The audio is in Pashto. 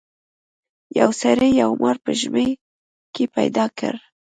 یو سړي یو مار په ژمي کې پیدا کړ.